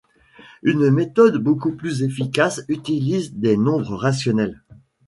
Une méthode beaucoup plus efficace utilise des nombres rationnels.